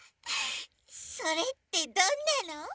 それってどんなの？